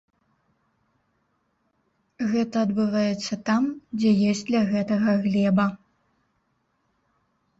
Гэта адбываецца там, дзе ёсць для гэтага глеба.